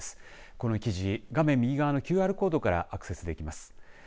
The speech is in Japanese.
この記事、画面右側のＱＲコードからアクセスできます。